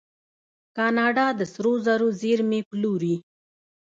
کاناډا د سرو زرو زیرمې پلورلي.